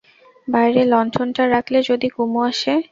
বাইরে লণ্ঠনটা রাখলে, যদি কুমু আসে।